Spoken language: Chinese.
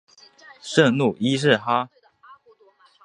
圣路易士哈！